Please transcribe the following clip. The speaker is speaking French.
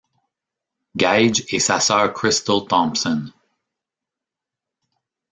Gaige et sa sœur Crystal Thompson.